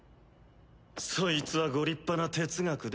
そいつはご立派な哲学で。